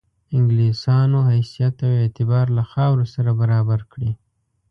انګلیسیانو حیثیت او اعتبار له خاورو سره برابر کړي.